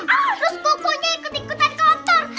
terus kukunya ikut ikutan kotor